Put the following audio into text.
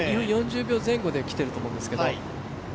４０秒前後できてると思うんですけど。